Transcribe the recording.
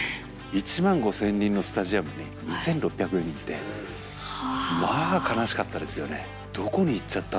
１万５，０００人のスタジアムに２，６００人ってまあ悲しかったですよね。